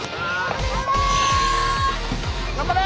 頑張れ！